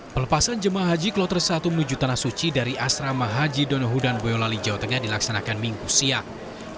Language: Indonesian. pelepasan jemaah haji kloter satu menuju tanah suci dari asrama haji donohudan boyolali jawa tengah dilaksanakan minggu siang